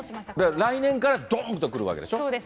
来年からどんとくるわけでしょ。